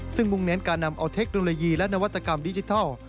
ซึ่งมุ่งเน้นการนำเอาเทคโนโลยีและนวัตกรรมดิจิทัล